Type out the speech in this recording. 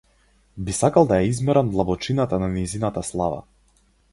Би сакал да ја измерам длабочината на нејзината слава.